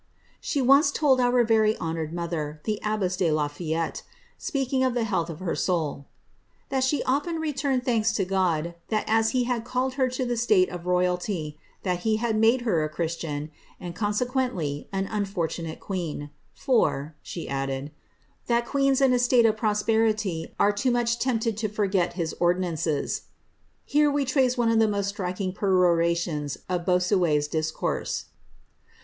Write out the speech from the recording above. ^' She once told our very honoured mother, the abbess de la Fayette, speaking of the health of her soul, ^ that she often returned thanks to God, that as he had called her to the slate of royalty, that he had made her a Christian, and consequently an unfortunate queen, for,' she added, ^ tliat queens in a state of prosperity are loo much tempted to forget his ordinances.^ '' Here we trace one of the most striking perorations of Bossiiet^s discourse.